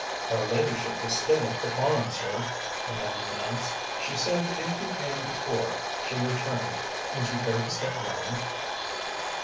"Her ladyship is still at the farm, sir," the man announced. "She said if you came before she returned would you care to step round?"